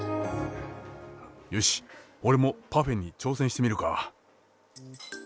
よし俺もパフェに挑戦してみるか。